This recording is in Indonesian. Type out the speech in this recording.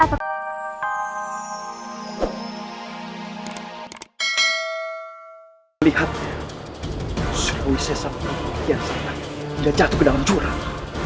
apa kau melihat seluruh sesat yang tidak jatuh ke dalam curang